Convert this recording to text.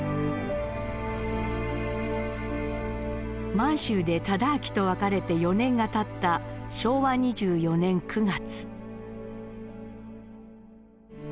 満州で忠亮と別れて４年がたった昭和２４年９月。